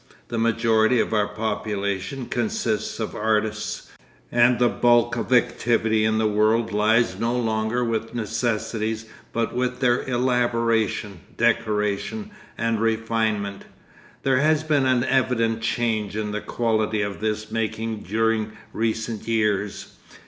The majority of our population consists of artists, and the bulk of activity in the world lies no longer with necessities but with their elaboration, decoration, and refinement. There has been an evident change in the quality of this making during recent years.